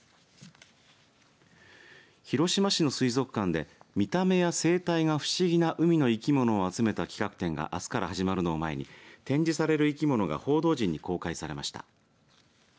広島市の水族館で見た目や生態が不思議な海の生き物を集めた企画展があすから始まるのを前に展示される生き物が報道陣に公開されました。